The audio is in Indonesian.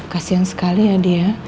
kasian sekali ya dia